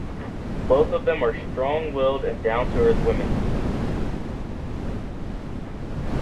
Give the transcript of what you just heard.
Both of them are strong willed and down to earth women.